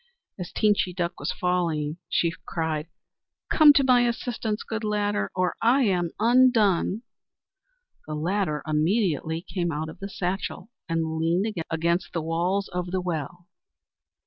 As Teenchy Duck was falling, she cried: "Come to my assistance, good Ladder, or I am undone." The Ladder immediately came out of the satchel, and leaned against the walls of the well.